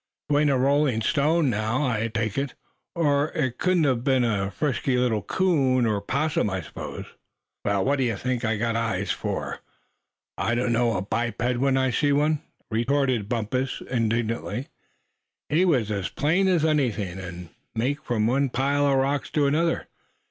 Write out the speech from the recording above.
"Twa'n't a rolling stone, now, I take it? Or it couldn't have been a frisky little 'coon' or 'possum,' I suppose?" "Well, what d'ye think I've got eyes for, if I don't know a biped when I see one?" retorted Bumpus, indignantly. "He was as plain as anything; and makin' from one pile of rocks to another.